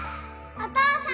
お父さん！